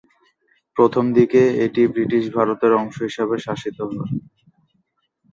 প্রথমদিকে এটি ব্রিটিশ ভারতের অংশ হিসাবে শাসিত হত।